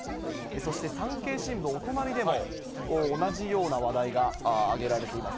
そして産経新聞、お隣でも、同じような話題が挙げられています。